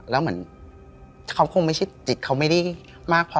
แล้วเหมือนเขาคงไม่ใช่จิตเขาไม่ได้มากพอ